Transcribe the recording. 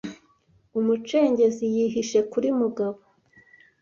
Umucengezi yihishe kuri Mugabo